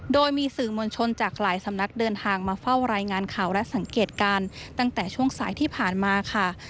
โดยมีสื่อมวลชนจากหลายสำนักเดินทางมาเฝ้ารายงานข่าวและสังเกตการณ์ตั้งแต่ช่วงสายที่ผ่านมาค่ะ